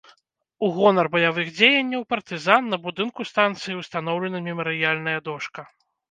У гонар баявых дзеянняў партызан на будынку станцыі ўстаноўлена мемарыяльная дошка.